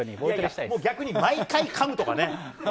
逆に毎回かむとかね。